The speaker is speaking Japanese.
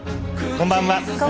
こんばんは。